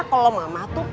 kalau mama tuh pegel